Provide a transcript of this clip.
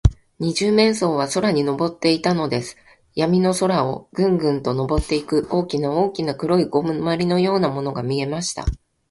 二十面相は空にのぼっていたのです。やみの空を、ぐんぐんとのぼっていく、大きな大きな黒いゴムまりのようなものが見えました。